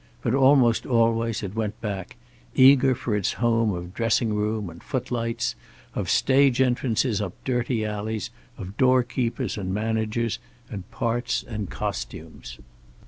But almost always it went back, eager for its home of dressing room and footlights, of stage entrances up dirty alleys, of door keepers and managers and parts and costumes.